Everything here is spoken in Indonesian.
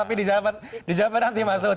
tapi dijawabkan nanti mas ud